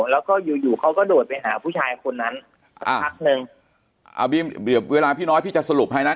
แล้วก็อยู่อยู่เขาก็โดดไปหาผู้ชายคนนั้นสักพักหนึ่งอ่าเวลาพี่น้อยพี่จะสรุปให้นะ